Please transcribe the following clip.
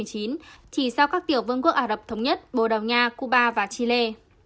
chỉ sau các tiểu vương quốc ả rập thống nhất bồ đào nha cuba và chile